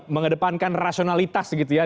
mengedepankan rasionalitas gitu ya